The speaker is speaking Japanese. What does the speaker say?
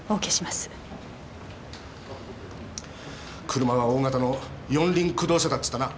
車は大型の四輪駆動車だって言ったな。